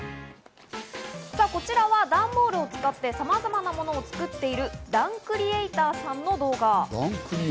こちらは段ボールを使って、さまざまなものを作っている段クリエイターさんの動画。